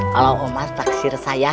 kalau omas tak sir saya